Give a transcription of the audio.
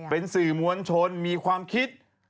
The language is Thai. เป็นสื่อมวลชนมีความคิด